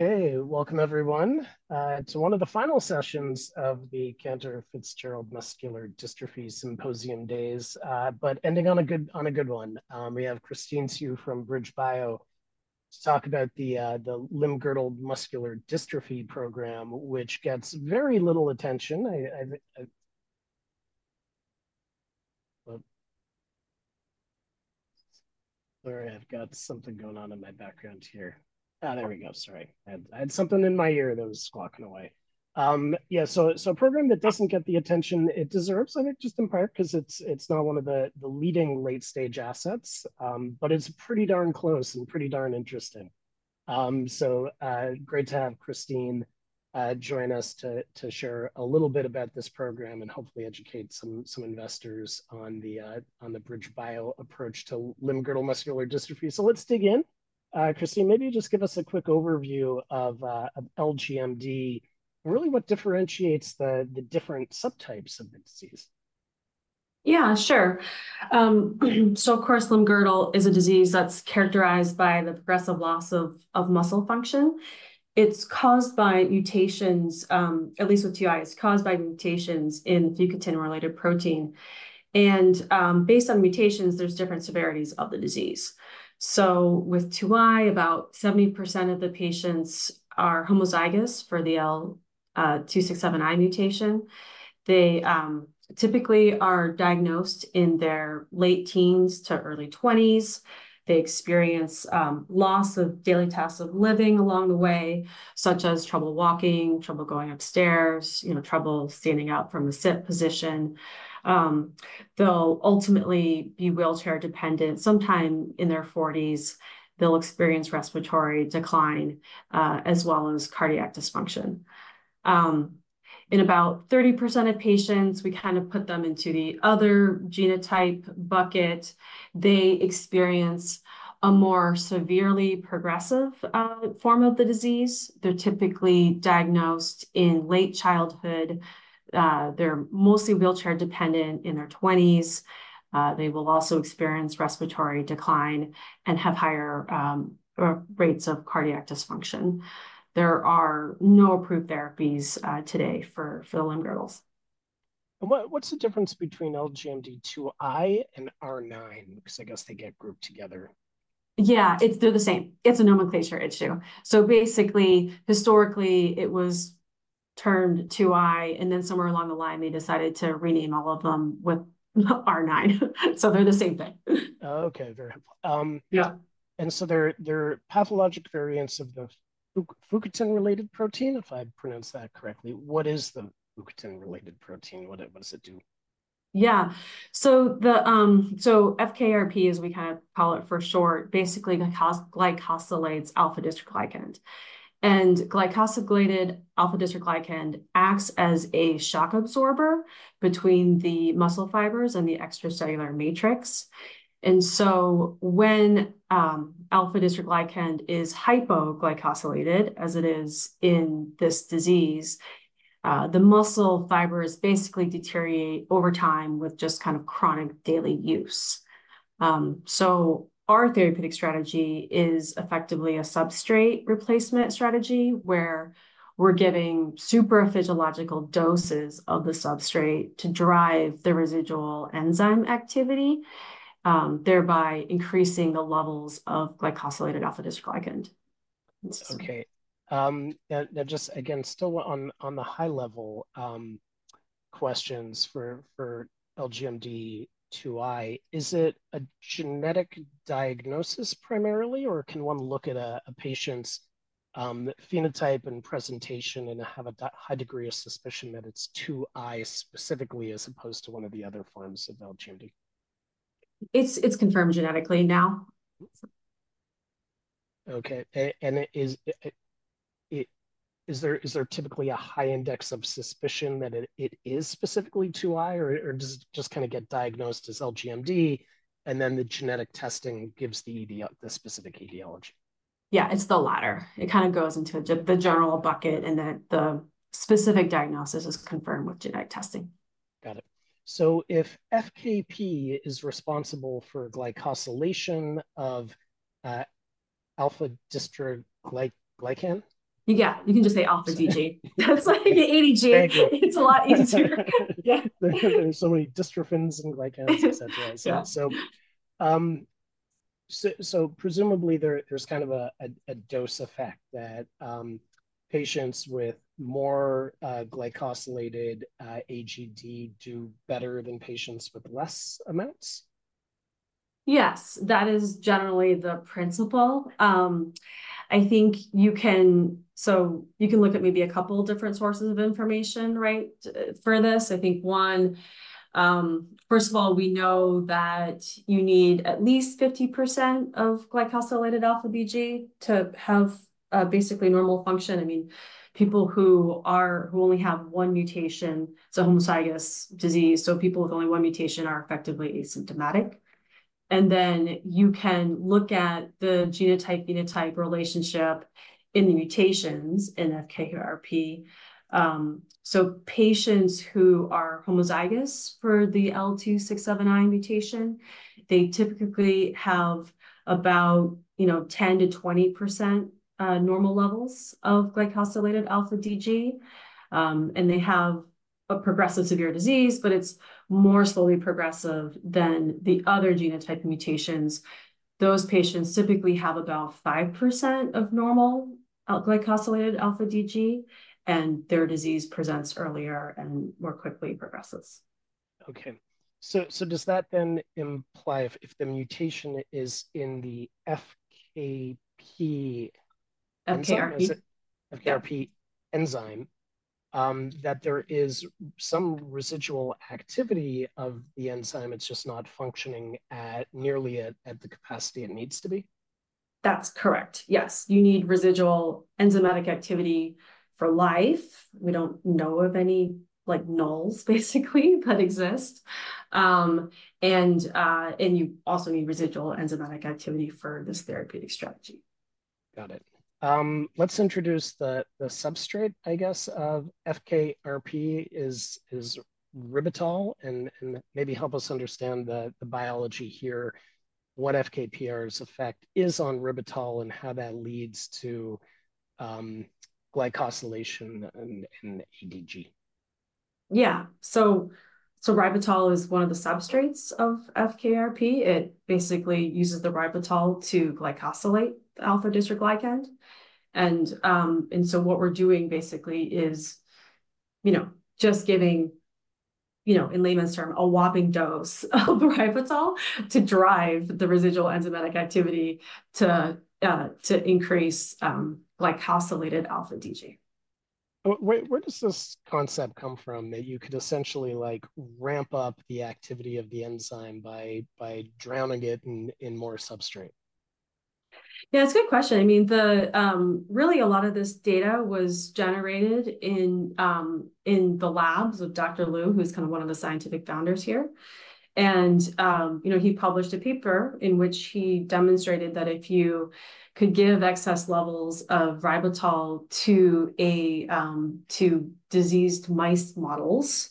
Hey, welcome everyone. It's one of the final sessions of the Cantor Fitzgerald Muscular Dystrophy Symposium days, but ending on a good one. We have Christine Siu from BridgeBio to talk about the limb-girdle muscular dystrophy program, which gets very little attention. Sorry, I've got something going on in my background here. There we go, sorry. I had something in my ear that was squawking away. Yeah, so a program that doesn't get the attention it deserves, I think, just in part because it's not one of the leading late-stage assets, but it's pretty darn close and pretty darn interesting. So, great to have Christine join us to share a little bit about this program and hopefully educate some investors on the BridgeBio approach to limb-girdle muscular dystrophy. So let's dig in. Christine, maybe just give us a quick overview of LGMD and really what differentiates the different subtypes of the disease. Yeah, sure. So of course limb-girdle is a disease that's characterized by the progressive loss of, of muscle function. It's caused by mutations, at least with LGMD2I, it's caused by mutations in fukutin-related protein. And, based on mutations, there's different severities of the disease. So with LGMD2I, about 70% of the patients are homozygous for the L276I mutation. They, typically are diagnosed in their late teens to early 20s. They experience, loss of daily tasks of living along the way, such as trouble walking, trouble going upstairs, you know, trouble standing up from a sit position. They'll ultimately be wheelchair-dependent. Sometime in their 40s, they'll experience respiratory decline, as well as cardiac dysfunction. In about 30% of patients, we kind of put them into the other genotype bucket. They experience a more severely progressive, form of the disease. They're typically diagnosed in late childhood. They're mostly wheelchair-dependent in their 20s. They will also experience respiratory decline and have higher rates of cardiac dysfunction. There are no approved therapies today for the limb-girdle. What’s the difference between LGMD2I and R9, because I guess they get grouped together? Yeah, it's, they're the same. It's a nomenclature issue. So basically, historically, it was termed LGMD2I, and then somewhere along the line, they decided to rename all of them with R9. So they're the same thing. Okay, very helpful. Yeah. And so they're pathologic variants of the fukutin-related protein, if I pronounce that correctly. What is the fukutin-related protein? What does it do? Yeah, so FKRP, as we kind of call it for short, basically glycosylates alpha-dystroglycan. And glycosylated alpha-dystroglycan acts as a shock absorber between the muscle fibers and the extracellular matrix. And so when alpha-dystroglycan is hypoglycosylated, as it is in this disease, the muscle fibers basically deteriorate over time with just kind of chronic daily use. So our therapeutic strategy is effectively a substrate replacement strategy where we're giving supraphysiological doses of the substrate to drive the residual enzyme activity, thereby increasing the levels of glycosylated alpha-dystroglycan. Okay. Now, just again, still on the high-level questions for LGMD2I, is it a genetic diagnosis primarily, or can one look at a patient's phenotype and presentation and have a high degree of suspicion that it's LGMD2I specifically as opposed to one of the other forms of LGMD? It's confirmed genetically now. Okay. And is there typically a high index of suspicion that it is specifically LGMD2I, or does it just kind of get diagnosed as LGMD, and then the genetic testing gives the MD the specific etiology? Yeah, it's the latter. It kind of goes into the general bucket, and then the specific diagnosis is confirmed with genetic testing. Got it. So if FKRP is responsible for glycosylation of alpha-dystroglycan? Yeah, you can just say αDG. That's like ADG. It's a lot easier. Yeah, there are so many dystrophins and glycans, etc. So presumably there, there's kind of a dose effect that patients with more glycosylated ADG do better than patients with less amounts? Yes, that is generally the principle. I think you can look at maybe a couple different sources of information, right, for this. I think, one, first of all, we know that you need at least 50% of glycosylated αDG to have basically normal function. I mean, people who only have one mutation, it's a homozygous disease, so people with only one mutation are effectively asymptomatic. And then you can look at the genotype-phenotype relationship in the mutations in FKRP. So patients who are homozygous for the L276I mutation, they typically have about, you know, 10%-20% normal levels of glycosylated αDG. And they have a progressive severe disease, but it's more slowly progressive than the other genotype mutations. Those patients typically have about 5% of normal glycosylated αDG, and their disease presents earlier and more quickly progresses. Okay. So, does that then imply if the mutation is in the FKRP enzyme? FKRP. FKRP enzyme, that there is some residual activity of the enzyme. It's just not functioning nearly at the capacity it needs to be? That's correct. Yes, you need residual enzymatic activity for life. We don't know of any, like, nulls, basically, that exist. And you also need residual enzymatic activity for this therapeutic strategy. Got it. Let's introduce the substrate, I guess, of FKRP is ribitol, and maybe help us understand the biology here, what FKRP's effect is on ribitol and how that leads to glycosylation and αDG. Yeah. So ribitol is one of the substrates of FKRP. It basically uses the ribitol to glycosylate the alpha-dystroglycan. And so what we're doing basically is, you know, just giving, you know, in layman's term, a whopping dose of ribitol to drive the residual enzymatic activity to increase glycosylated αDG. Where does this concept come from that you could essentially, like, ramp up the activity of the enzyme by drowning it in more substrate? Yeah, that's a good question. I mean, really a lot of this data was generated in the labs of Dr. Lu, who's kind of one of the scientific founders here. You know, he published a paper in which he demonstrated that if you could give excess levels of ribitol to diseased mice models,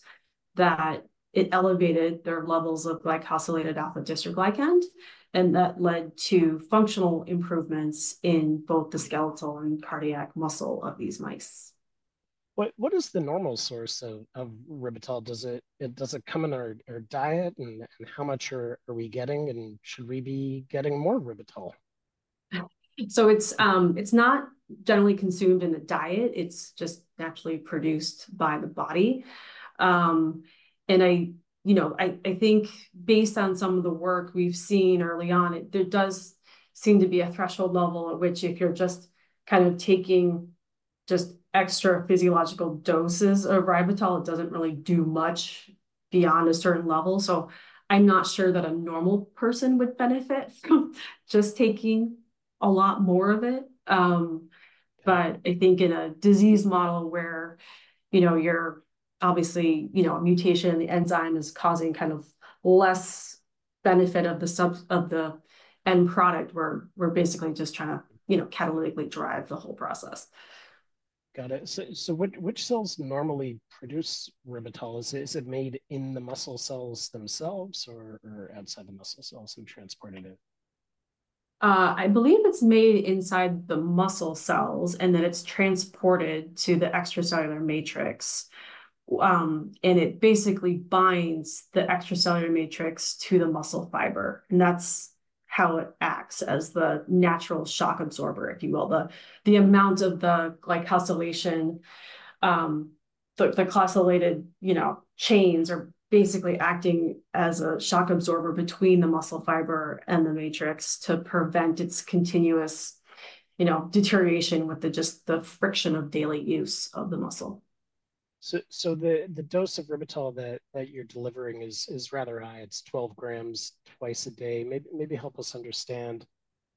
that it elevated their levels of glycosylated alpha-dystroglycan, and that led to functional improvements in both the skeletal and cardiac muscle of these mice. What is the normal source of ribitol? Does it come in our diet, and how much are we getting, and should we be getting more ribitol? So it's not generally consumed in the diet. It's just naturally produced by the body. And I, you know, think based on some of the work we've seen early on, it there does seem to be a threshold level at which if you're just kind of taking just extra physiological doses of ribitol, it doesn't really do much beyond a certain level. So I'm not sure that a normal person would benefit from just taking a lot more of it. But I think in a disease model where, you know, you're obviously, you know, a mutation in the enzyme is causing kind of less benefit of the sub of the end product, we're basically just trying to, you know, catalytically drive the whole process. Got it. So, which cells normally produce ribitol? Is it made in the muscle cells themselves, or outside the muscle cells and transported it? I believe it's made inside the muscle cells, and then it's transported to the extracellular matrix. And it basically binds the extracellular matrix to the muscle fiber. And that's how it acts as the natural shock absorber, if you will. The amount of the glycosylation, the glycosylated, you know, chains are basically acting as a shock absorber between the muscle fiber and the matrix to prevent its continuous, you know, deterioration with just the friction of daily use of the muscle. So, the dose of ribitol that you're delivering is rather high. It's 12 grams twice a day. Maybe help us understand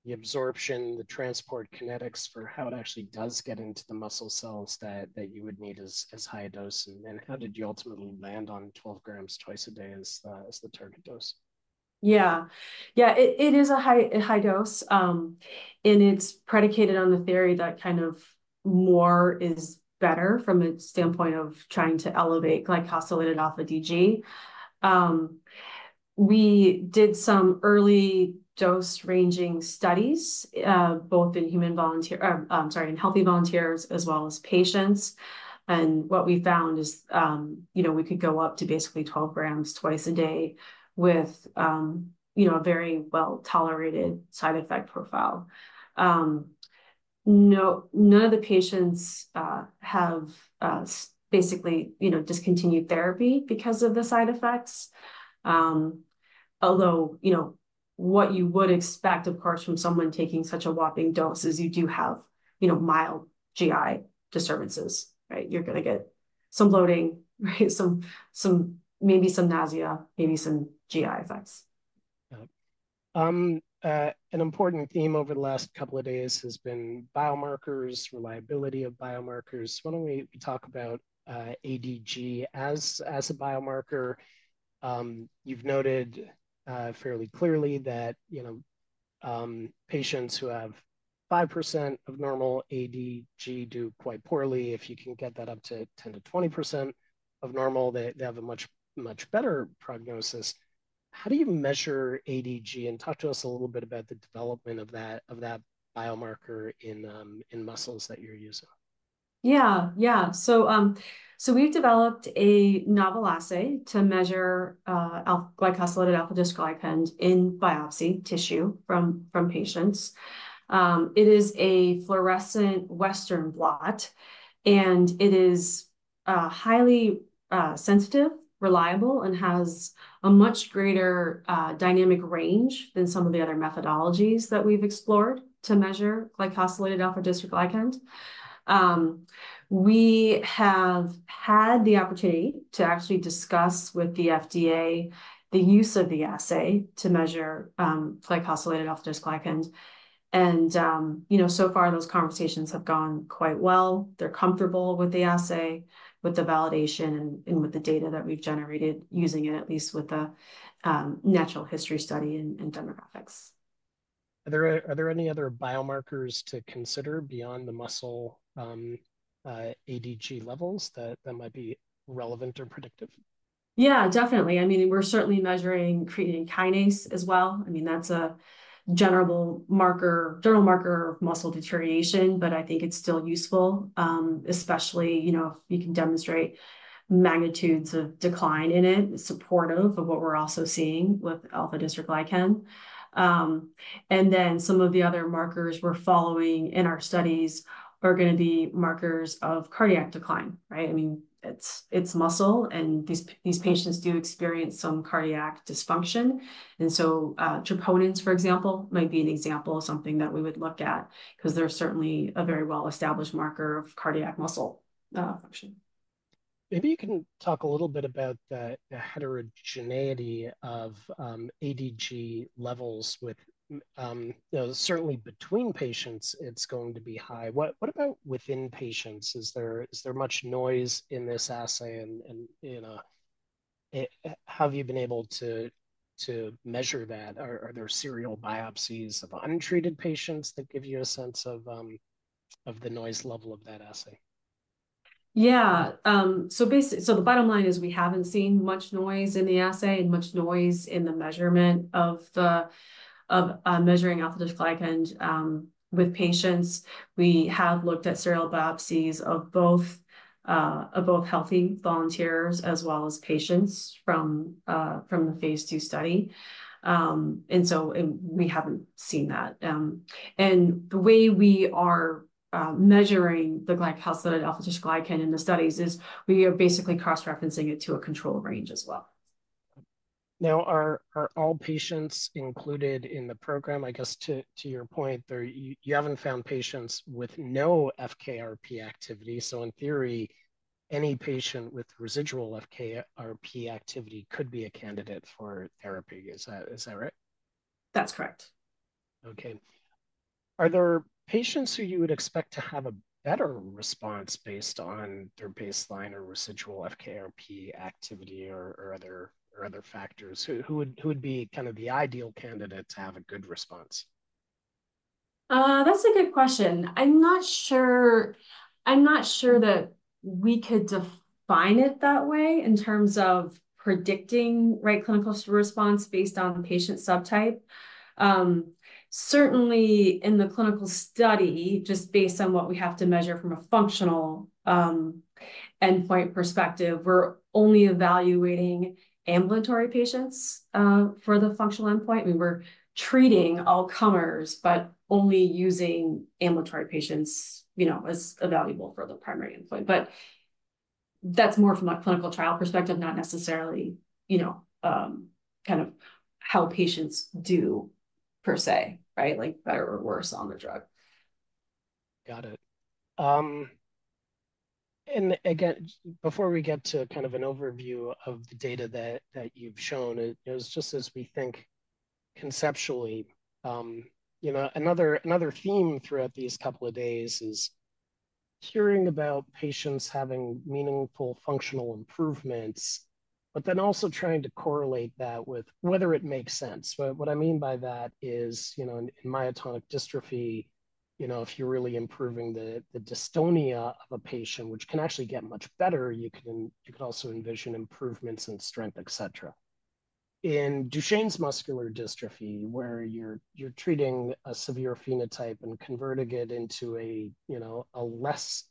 the absorption, the transport kinetics for how it actually does get into the muscle cells that you would need as high a dose. And how did you ultimately land on 12 grams twice a day as the target dose? Yeah, it is a high dose. It's predicated on the theory that kind of more is better from a standpoint of trying to elevate glycosylated αDG. We did some early dose-ranging studies, both in healthy volunteers as well as patients. What we found is, you know, we could go up to basically 12 grams twice a day with, you know, a very well-tolerated side effect profile. None of the patients have basically, you know, discontinued therapy because of the side effects. Although, you know, what you would expect, of course, from someone taking such a whopping dose is you do have, you know, mild GI disturbances, right? You're going to get some bloating, right? Some maybe some nausea, maybe some GI effects. Got it. An important theme over the last couple of days has been biomarkers, reliability of biomarkers. Why don't we talk about ADG as a biomarker? You've noted fairly clearly that, you know, patients who have 5% of normal ADG do quite poorly. If you can get that up to 10%-20% of normal, they have a much, much better prognosis. How do you measure ADG? And talk to us a little bit about the development of that biomarker in muscles that you're using. Yeah, yeah. So, so we've developed a novel assay to measure glycosylated alpha-dystroglycan in biopsy tissue from, from patients. It is a fluorescent Western blot, and it is highly sensitive, reliable, and has a much greater dynamic range than some of the other methodologies that we've explored to measure glycosylated alpha-dystroglycan. We have had the opportunity to actually discuss with the FDA the use of the assay to measure glycosylated alpha-dystroglycan. And, you know, so far those conversations have gone quite well. They're comfortable with the assay, with the validation, and with the data that we've generated using it, at least with the natural history study and demographics. Are there any other biomarkers to consider beyond the muscle ADG levels that might be relevant or predictive? Yeah, definitely. I mean, we're certainly measuring creatine kinase as well. I mean, that's a general marker, general marker of muscle deterioration, but I think it's still useful, especially, you know, if you can demonstrate magnitudes of decline in it, supportive of what we're also seeing with alpha-dystroglycan. And then some of the other markers we're following in our studies are going to be markers of cardiac decline, right? I mean, it's, it's muscle, and these, these patients do experience some cardiac dysfunction. And so, troponins, for example, might be an example of something that we would look at because they're certainly a very well-established marker of cardiac muscle function. Maybe you can talk a little bit about the heterogeneity of αDG levels with, you know, certainly between patients. It's going to be high. What about within patients? Is there much noise in this assay and, you know, have you been able to measure that? Are there serial biopsies of untreated patients that give you a sense of the noise level of that assay? Yeah. So basically, the bottom line is we haven't seen much noise in the assay and much noise in the measurement of measuring alpha-dystroglycan with patients. We have looked at serial biopsies of both healthy volunteers as well as patients from the phase two study. So we haven't seen that. And the way we are measuring the glycosylated alpha-dystroglycan in the studies is we are basically cross-referencing it to a control range as well. Now, are all patients included in the program? I guess to your point, you haven't found patients with no FKRP activity. So in theory, any patient with residual FKRP activity could be a candidate for therapy. Is that right? That's correct. Okay. Are there patients who you would expect to have a better response based on their baseline or residual FKRP activity or other factors? Who would be kind of the ideal candidate to have a good response? That's a good question. I'm not sure that we could define it that way in terms of predicting right clinical response based on patient subtype. Certainly in the clinical study, just based on what we have to measure from a functional endpoint perspective, we're only evaluating ambulatory patients for the functional endpoint. I mean, we're treating all comers, but only using ambulatory patients, you know, as evaluable for the primary endpoint. But that's more from a clinical trial perspective, not necessarily, you know, kind of how patients do per se, right? Like better or worse on the drug. Got it. Again, before we get to kind of an overview of the data that you've shown, you know, it's just as we think conceptually, you know, another theme throughout these couple of days is hearing about patients having meaningful functional improvements, but then also trying to correlate that with whether it makes sense. What I mean by that is, you know, in myotonic dystrophy, you know, if you're really improving the dystonia of a patient, which can actually get much better, you could also envision improvements in strength, et cetera. In Duchenne's muscular dystrophy, where you're treating a severe phenotype and converting it into a, you know, a less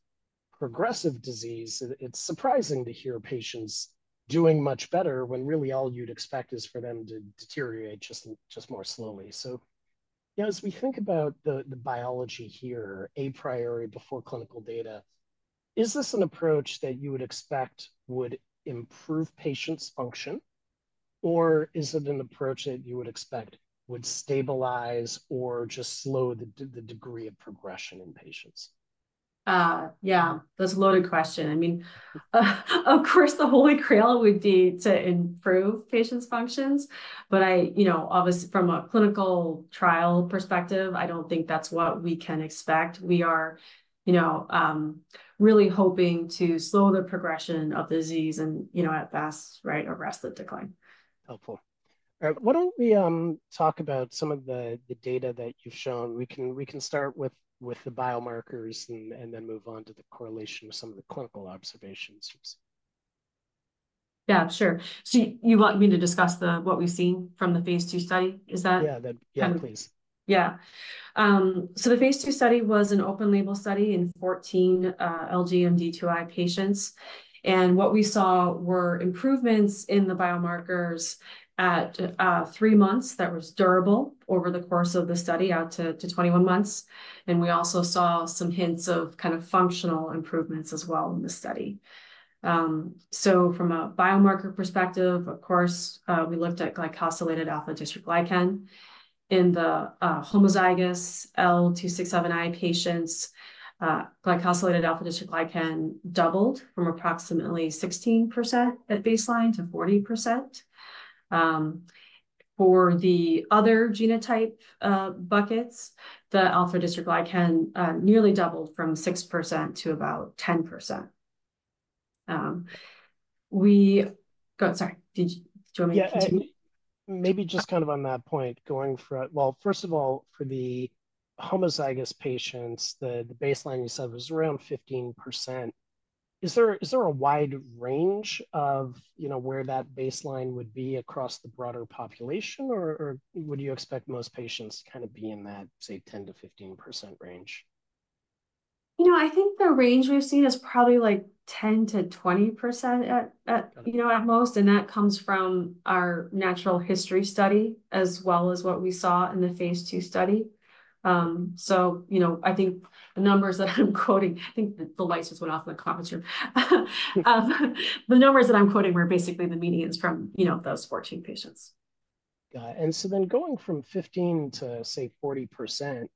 progressive disease, it's surprising to hear patients doing much better when really all you'd expect is for them to deteriorate just more slowly. So, you know, as we think about the biology here, a priori before clinical data, is this an approach that you would expect would improve patients' function, or is it an approach that you would expect would stabilize or just slow the degree of progression in patients? Yeah, that's a loaded question. I mean, of course, the holy grail would be to improve patients' functions. But I, you know, obviously from a clinical trial perspective, I don't think that's what we can expect. We are, you know, really hoping to slow the progression of the disease and, you know, at best, right, arrest the decline. Helpful. All right. Why don't we talk about some of the data that you've shown? We can start with the biomarkers and then move on to the correlation with some of the clinical observations you've seen. Yeah, sure. So you want me to discuss the what we've seen from the Phase 2 study? Is that? Yeah, that. Yeah, please. Yeah. So the Phase 2 study was an open-label study in 14 LGMD2I patients. And what we saw were improvements in the biomarkers at three months that was durable over the course of the study out to 21 months. And we also saw some hints of kind of functional improvements as well in the study. So from a biomarker perspective, of course, we looked at glycosylated alpha-dystroglycan in the homozygous L276I patients. Glycosylated alpha-dystroglycan doubled from approximately 16% at baseline to 40%. For the other genotype buckets, the alpha-dystroglycan nearly doubled from 6% to about 10%. Oh, sorry. Did you, do you want me to continue? Yeah, maybe just kind of on that point, going for well, first of all, for the homozygous patients, the baseline you said was around 15%. Is there a wide range of, you know, where that baseline would be across the broader population, or would you expect most patients to kind of be in that, say, 10%-15% range? You know, I think the range we've seen is probably like 10%-20% at, you know, at most. That comes from our natural history study as well as what we saw in the Phase 2 study. You know, I think the numbers that I'm quoting—I think the lights just went off in the conference room. The numbers that I'm quoting were basically the medians from, you know, those 14 patients. Got it. Going from 15% to, say, 40%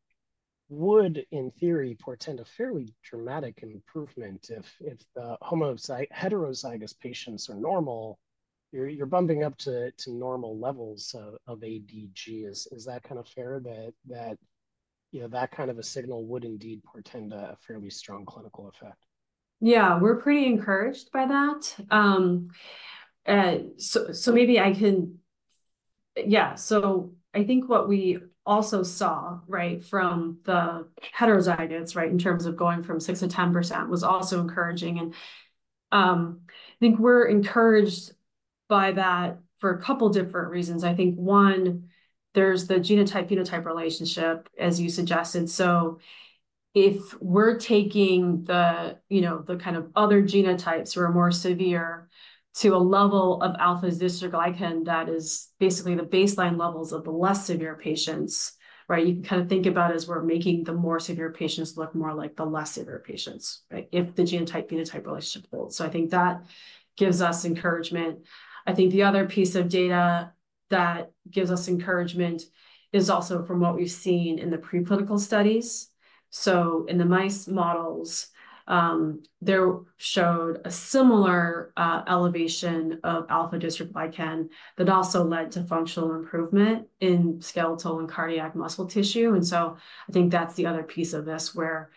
would, in theory, portend a fairly dramatic improvement if the homozygous, heterozygous patients are normal, you're bumping up to normal levels of αDG. Is that kind of fair that, you know, that kind of a signal would indeed portend a fairly strong clinical effect? Yeah, we're pretty encouraged by that. So I think what we also saw, right, from the heterozygous, right, in terms of going from 6%-10% was also encouraging. I think we're encouraged by that for a couple different reasons. I think, one, there's the genotype-phenotype relationship, as you suggested. So if we're taking the, you know, the kind of other genotypes who are more severe to a level of alpha-dystroglycan that is basically the baseline levels of the less severe patients, right, you can kind of think about it as we're making the more severe patients look more like the less severe patients, right, if the genotype-phenotype relationship holds. So I think that gives us encouragement. I think the other piece of data that gives us encouragement is also from what we've seen in the preclinical studies. So in the mouse models, they showed a similar elevation of alpha-dystroglycan that also led to functional improvement in skeletal and cardiac muscle tissue. And so I think that's the other piece of this where,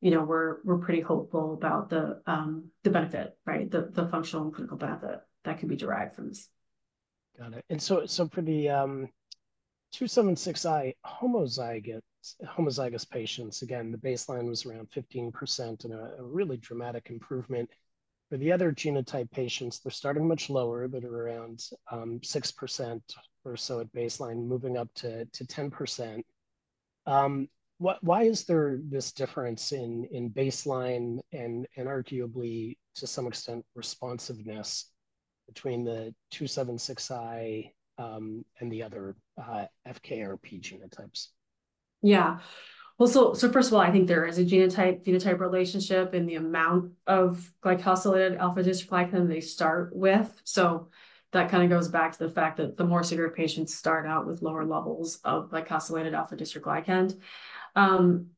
you know, we're pretty hopeful about the benefit, right? The functional and clinical benefit that could be derived from this. Got it. And so for the L276I homozygous patients, again, the baseline was around 15% and a really dramatic improvement. For the other genotype patients, they're starting much lower but are around 6% or so at baseline, moving up to 10%. What, why is there this difference in baseline and arguably to some extent responsiveness between the L276I and the other FKRP genotypes? Yeah. Well, so, so first of all, I think there is a genotype-phenotype relationship in the amount of glycosylated alpha-dystroglycan they start with. So that kind of goes back to the fact that the more severe patients start out with lower levels of glycosylated alpha-dystroglycan.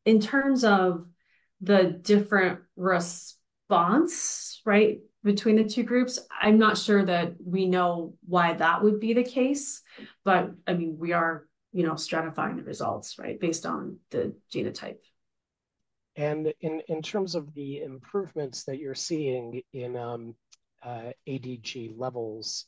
In terms of the different response, right, between the two groups, I'm not sure that we know why that would be the case. But I mean, we are, you know, stratifying the results, right, based on the genotype. And in terms of the improvements that you're seeing in αDG levels,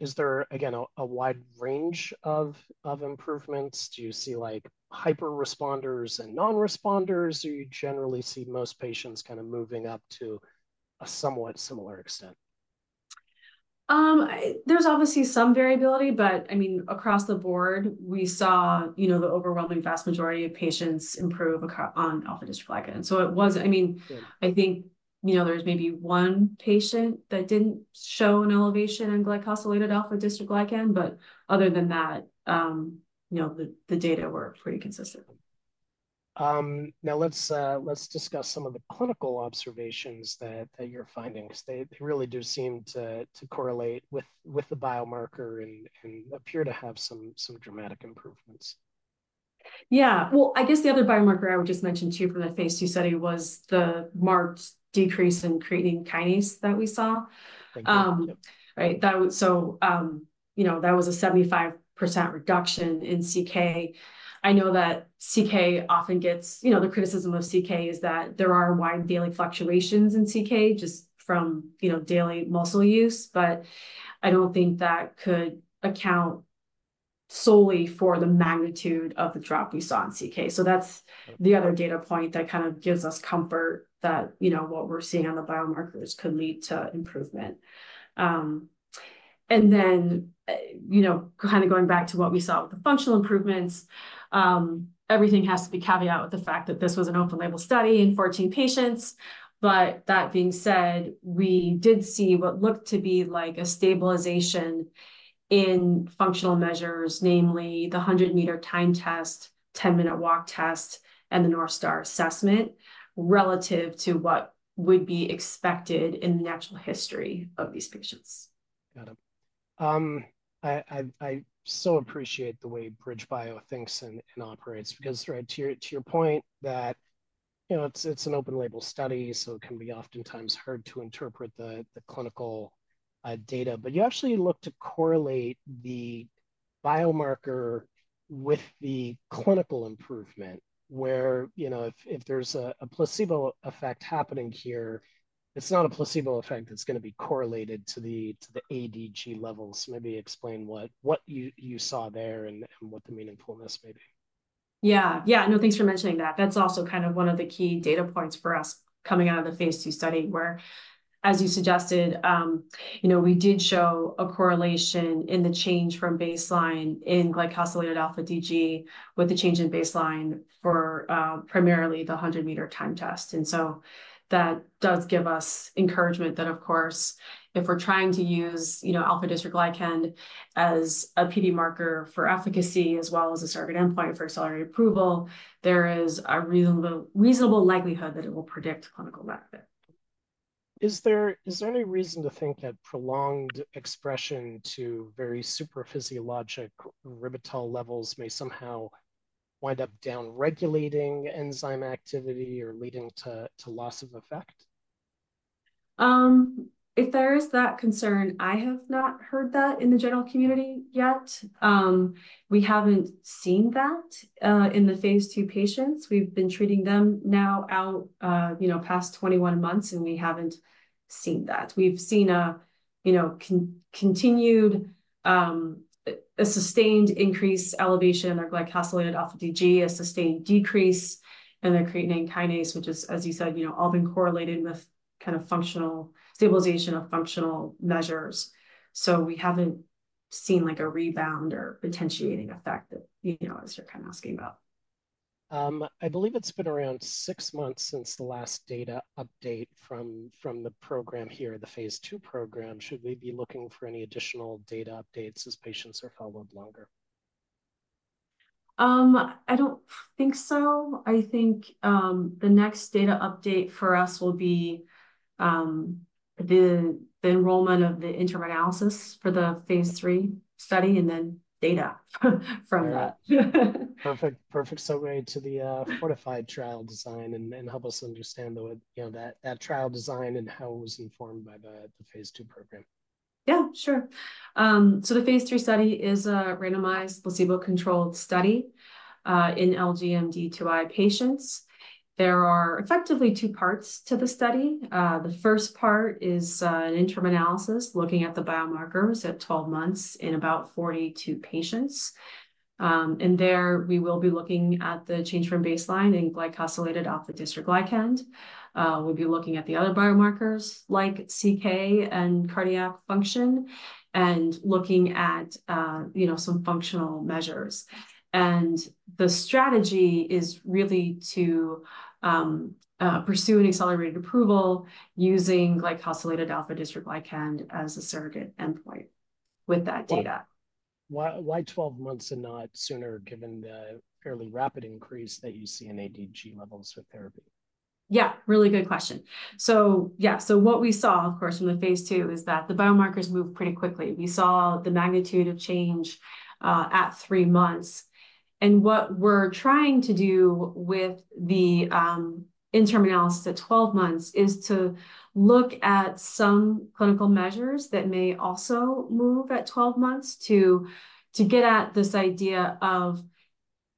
is there, again, a wide range of improvements? Do you see, like, hyperresponders and non-responders, or do you generally see most patients kind of moving up to a somewhat similar extent? There's obviously some variability, but I mean, across the board, we saw, you know, the overwhelming vast majority of patients improve across on alpha-dystroglycan. So it was I mean, I think, you know, there's maybe one patient that didn't show an elevation in glycosylated alpha-dystroglycan. But other than that, you know, the, the data were pretty consistent. Now let's discuss some of the clinical observations that you're finding because they really do seem to correlate with the biomarker and appear to have some dramatic improvements. Yeah. Well, I guess the other biomarker I would just mention too from the phase two study was the marked decrease in creatine kinase that we saw. Thank you. Right. That was so, you know, that was a 75% reduction in CK. I know that CK often gets, you know, the criticism of CK is that there are wide daily fluctuations in CK just from, you know, daily muscle use. But I don't think that could account solely for the magnitude of the drop we saw in CK. So that's the other data point that kind of gives us comfort that, you know, what we're seeing on the biomarkers could lead to improvement. And then, you know, kind of going back to what we saw with the functional improvements, everything has to be caveat with the fact that this was an open-label study in 14 patients. But that being said, we did see what looked to be like a stabilization in functional measures, namely the 100-meter timed test, 10-meter walk test, and the North Star Assessment relative to what would be expected in the natural history of these patients. Got it. I so appreciate the way BridgeBio thinks and operates because, right, to your point that, you know, it's an open-label study, so it can be oftentimes hard to interpret the clinical data. But you actually look to correlate the biomarker with the clinical improvement where, you know, if there's a placebo effect happening here, it's not a placebo effect that's going to be correlated to the ADG levels. Maybe explain what you saw there and what the meaningfulness may be. Yeah, yeah. No, thanks for mentioning that. That's also kind of one of the key data points for us coming out of the Phase 2 study where, as you suggested, you know, we did show a correlation in the change from baseline in glycosylated αDG with the change in baseline for, primarily the 100-meter timed test. And so that does give us encouragement that, of course, if we're trying to use, you know, alpha-dystroglycan as a PD marker for efficacy as well as a target endpoint for accelerated approval, there is a reasonable, reasonable likelihood that it will predict clinical benefit. Is there any reason to think that prolonged expression to very super-physiologic ribitol levels may somehow wind up downregulating enzyme activity or leading to loss of effect? If there is that concern, I have not heard that in the general community yet. We haven't seen that, in the phase two patients. We've been treating them now out, you know, past 21 months, and we haven't seen that. We've seen a, you know, continued, a sustained increase elevation in our glycosylated αDG, a sustained decrease in their creatine kinase, which is, as you said, you know, all been correlated with kind of functional stabilization of functional measures. So we haven't seen like a rebound or potentiating effect that, you know, as you're kind of asking about. I believe it's been around six months since the last data update from the program here, the phase two program. Should we be looking for any additional data updates as patients are followed longer? I don't think so. I think the next data update for us will be the enrollment of the interim analysis for the Phase 3 study and then data from that. Perfect, perfect segue to the FORTIFY trial design, and help us understand the, you know, that trial design and how it was informed by the phase 2 program. Yeah, sure. So the Phase 3 study is a randomized placebo-controlled study in LGMD2I patients. There are effectively two parts to the study. The first part is an interim analysis looking at the biomarkers at 12 months in about 42 patients. And there we will be looking at the change from baseline in glycosylated alpha-dystroglycan. We'll be looking at the other biomarkers like CK and cardiac function and looking at, you know, some functional measures. And the strategy is really to pursue an accelerated approval using glycosylated alpha-dystroglycan as a surrogate endpoint with that data. Why, why 12 months and not sooner given the fairly rapid increase that you see in αDG levels with therapy? Yeah, really good question. So yeah, so what we saw, of course, from the Phase 2 is that the biomarkers moved pretty quickly. We saw the magnitude of change, at three months. And what we're trying to do with the, interim analysis at 12 months is to look at some clinical measures that may also move at 12 months to, to get at this idea of,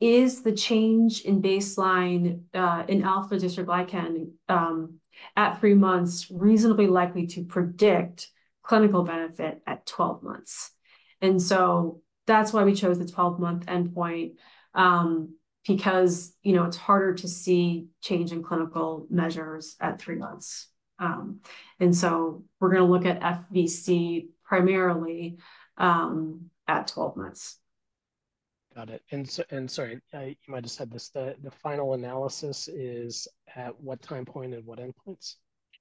is the change in baseline, in alpha-dystroglycan, at three months reasonably likely to predict clinical benefit at 12 months? And so that's why we chose the 12-month endpoint, because, you know, it's harder to see change in clinical measures at three months. And so we're going to look at FVC primarily, at 12 months. Got it. And so, sorry, you might have said this. The final analysis is at what time point and what endpoints?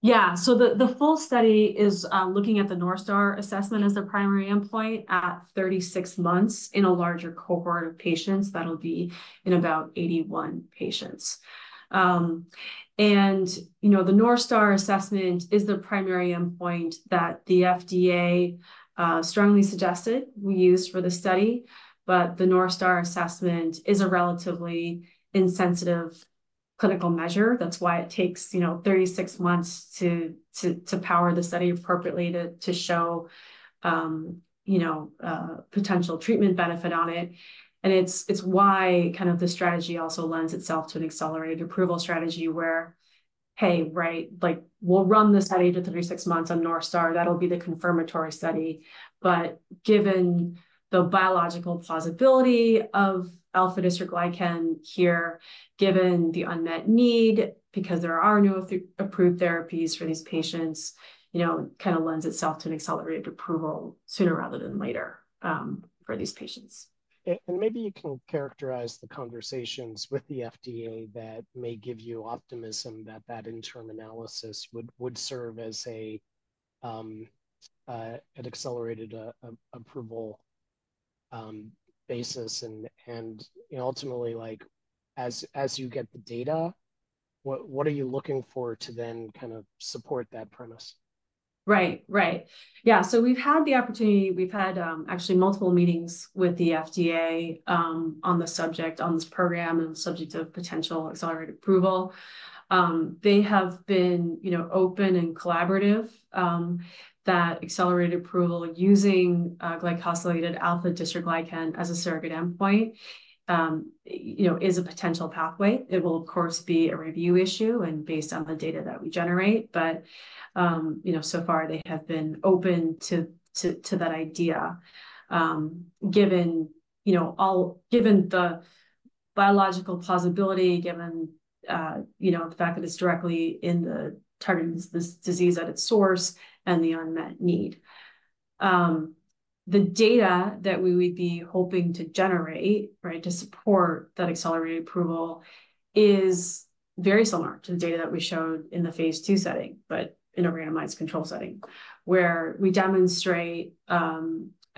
Yeah. So the full study is looking at the North Star assessment as the primary endpoint at 36 months in a larger cohort of patients. That'll be in about 81 patients. And, you know, the North Star assessment is the primary endpoint that the FDA strongly suggested we use for the study. But the North Star assessment is a relatively insensitive clinical measure. That's why it takes, you know, 36 months to power the study appropriately to show, you know, potential treatment benefit on it. And it's why kind of the strategy also lends itself to an accelerated approval strategy where, hey, right, like, we'll run the study to 36 months on North Star. That'll be the confirmatory study. But given the biological plausibility of alpha-dystroglycan here, given the unmet need because there are no approved therapies for these patients, you know, kind of lends itself to an accelerated approval sooner rather than later, for these patients. And maybe you can characterize the conversations with the FDA that may give you optimism that that interim analysis would serve as an accelerated approval basis. And you know, ultimately, like, as you get the data, what are you looking for to then kind of support that premise? Right, right. Yeah. So we've had the opportunity. We've had, actually, multiple meetings with the FDA, on the subject, on this program and the subject of potential accelerated approval. They have been, you know, open and collaborative, that accelerated approval using glycosylated alpha-dystroglycan as a surrogate endpoint, you know, is a potential pathway. It will, of course, be a review issue and based on the data that we generate. But, you know, so far they have been open to, to, to that idea, given, you know, all given the biological plausibility, given, you know, the fact that it's directly in the targeting this disease at its source and the unmet need. the data that we would be hoping to generate, right, to support that accelerated approval is very similar to the data that we showed in the phase two setting, but in a randomized control setting where we demonstrate,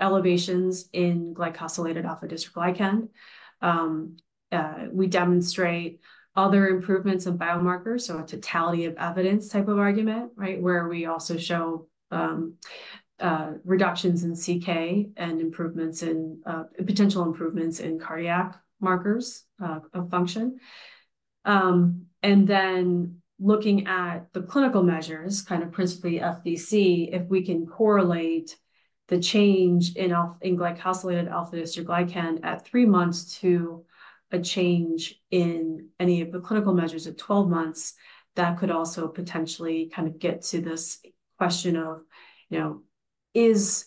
elevations in glycosylated alpha-dystroglycan. We demonstrate other improvements in biomarkers. So a totality of evidence type of argument, right, where we also show, reductions in CK and improvements in, potential improvements in cardiac markers, of function. And then looking at the clinical measures, kind of principally FVC, if we can correlate the change in alpha in glycosylated alpha-dystroglycan at three months to a change in any of the clinical measures at 12 months, that could also potentially kind of get to this question of, you know, is,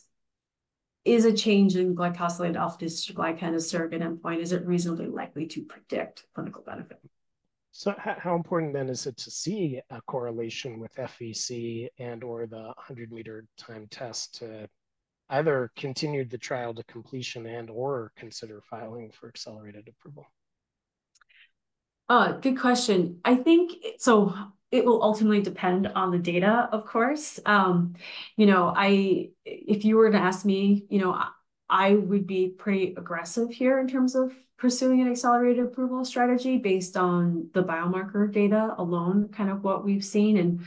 is a change in glycosylated alpha-dystroglycan a surrogate endpoint? Is it reasonably likely to predict clinical benefit? So how important then is it to see a correlation with FVC and/or the 100-meter time test to either continue the trial to completion and/or consider filing for accelerated approval? Oh, good question. I think so it will ultimately depend on the data, of course. You know, if you were to ask me, you know, I would be pretty aggressive here in terms of pursuing an accelerated approval strategy based on the biomarker data alone, kind of what we've seen.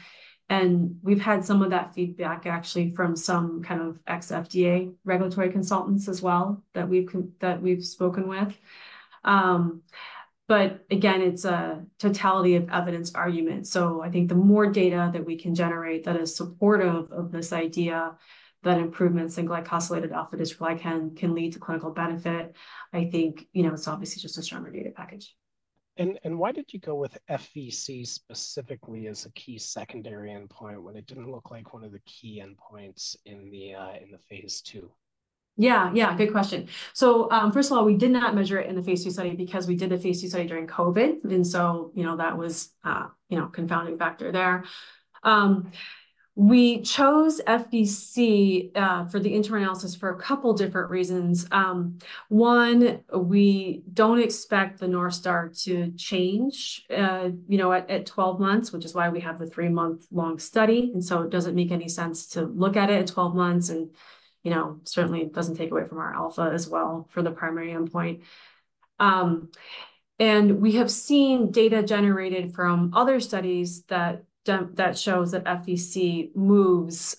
And we've had some of that feedback actually from some kind of ex-FDA regulatory consultants as well that we've spoken with. But again, it's a totality of evidence argument. So I think the more data that we can generate that is supportive of this idea that improvements in glycosylated alpha-dystroglycan can lead to clinical benefit, I think, you know, it's obviously just a stronger data package. Why did you go with FVC specifically as a key secondary endpoint when it didn't look like one of the key endpoints in the phase 2? Yeah, yeah, good question. So, first of all, we did not measure it in the Phase 2 study because we did the Phase 2 study during COVID. And so, you know, that was, you know, a confounding factor there. We chose FVC for the interim analysis for a couple different reasons. One, we don't expect the North Star to change, you know, at 12 months, which is why we have the three month-long study. And so it doesn't make any sense to look at it at 12 months. And, you know, certainly it doesn't take away from our alpha as well for the primary endpoint. And we have seen data generated from other studies that shows that FVC moves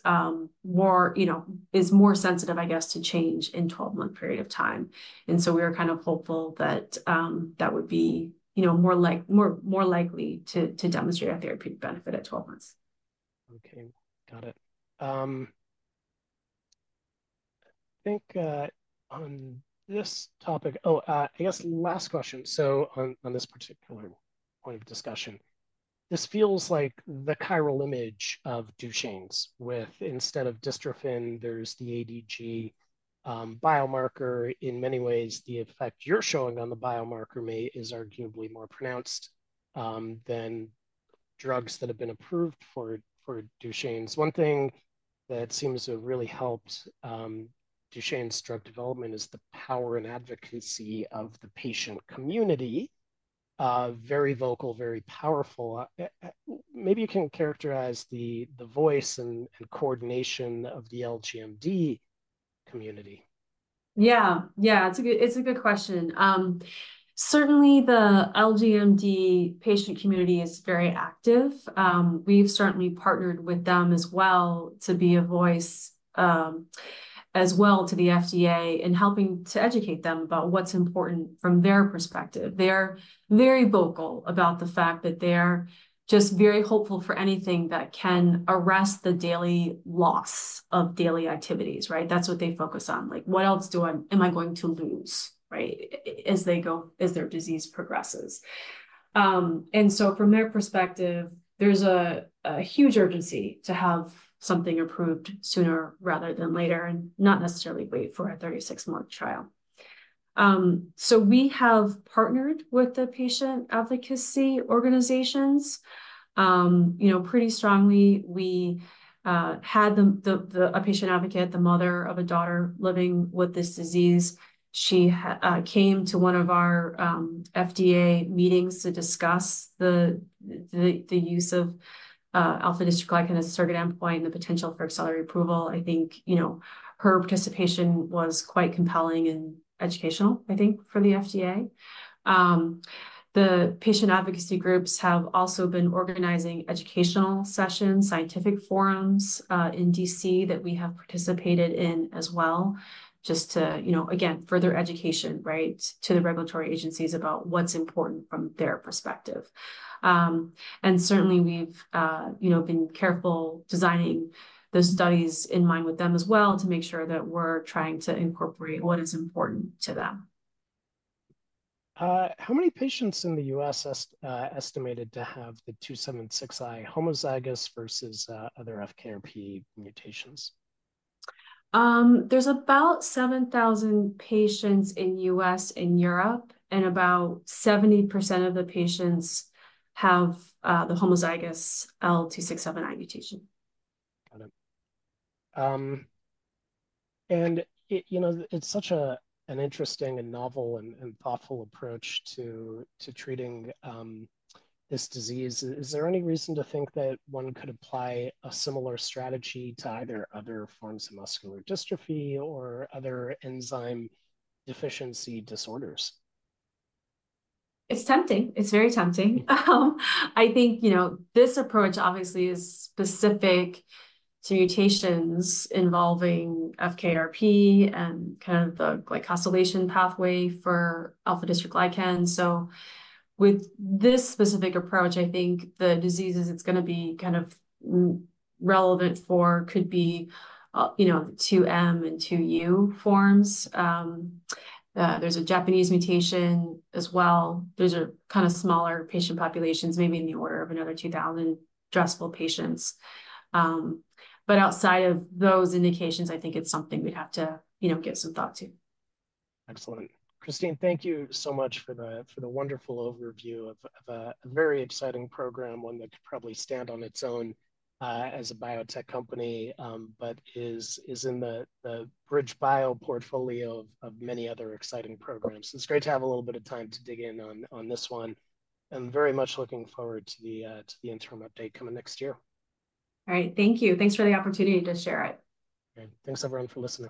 more, you know, is more sensitive, I guess, to change in a 12-month period of time. And so we were kind of hopeful that that would be, you know, more like more likely to demonstrate a therapeutic benefit at 12 months. Okay, got it. I think, on this topic oh, I guess last question. So on, on this particular point of discussion, this feels like the mirror image of Duchenne's with instead of dystrophin, there's the α-DG biomarker. In many ways, the effect you're showing on the biomarker is arguably more pronounced than drugs that have been approved for, for Duchenne's. One thing that seems to have really helped Duchenne's drug development is the power and advocacy of the patient community. Very vocal, very powerful. Maybe you can characterize the voice and coordination of the LGMD community. Yeah, yeah, it's a good it's a good question. Certainly the LGMD patient community is very active. We've certainly partnered with them as well to be a voice, as well to the FDA in helping to educate them about what's important from their perspective. They're very vocal about the fact that they're just very hopeful for anything that can arrest the daily loss of daily activities, right? That's what they focus on. Like, what else am I going to lose, right, as they go as their disease progresses? So from their perspective, there's a huge urgency to have something approved sooner rather than later and not necessarily wait for a 36-month trial. So we have partnered with the patient advocacy organizations, you know, pretty strongly. We had a patient advocate, the mother of a daughter living with this disease. She came to one of our FDA meetings to discuss the use of alpha-dystroglycan as a surrogate endpoint and the potential for accelerated approval. I think, you know, her participation was quite compelling and educational, I think, for the FDA. The patient advocacy groups have also been organizing educational sessions, scientific forums, in D.C. that we have participated in as well, just to, you know, again, further education, right, to the regulatory agencies about what's important from their perspective. And certainly we've, you know, been careful designing those studies in mind with them as well to make sure that we're trying to incorporate what is important to them. How many patients in the U.S. estimated to have the L276I homozygous versus other FKRP mutations? There's about 7,000 patients in the U.S. and Europe, and about 70% of the patients have the homozygous L276I mutation. Got it. And it, you know, it's such an interesting and novel and thoughtful approach to treating this disease. Is there any reason to think that one could apply a similar strategy to either other forms of muscular dystrophy or other enzyme deficiency disorders? It's tempting. It's very tempting. I think, you know, this approach obviously is specific to mutations involving FKRP and kind of the glycosylation pathway for alpha-dystroglycan. So with this specific approach, I think the diseases it's going to be kind of relevant for could be, you know, the 2M and 2U forms. There's a Japanese mutation as well. These are kind of smaller patient populations, maybe in the order of another 2,000 addressable patients. But outside of those indications, I think it's something we'd have to, you know, give some thought to. Excellent. Christine, thank you so much for the wonderful overview of a very exciting program, one that could probably stand on its own as a biotech company, but is in the BridgeBio portfolio of many other exciting programs. So it's great to have a little bit of time to dig in on this one. I'm very much looking forward to the interim update coming next year. All right. Thank you. Thanks for the opportunity to share it. All right. Thanks, everyone, for listening.